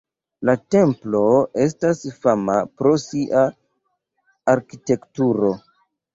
La templo estas fama pro sia arkitekturo.